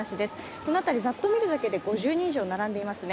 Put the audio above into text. この辺り、ざっと見るだけで５０人以上並んでいますね。